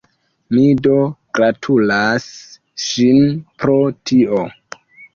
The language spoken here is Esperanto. Mi do gratulas ŝin pro tio!